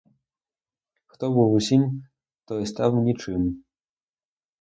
Хто був усім, той став нічим.